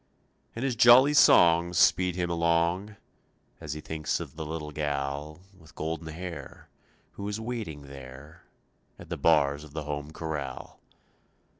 And his jolly songs Speed him along, As he thinks of the little gal With golden hair Who is waiting there At the bars of the home corral.